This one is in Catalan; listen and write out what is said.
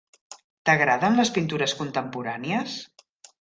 T'agraden les pintures contemporànies?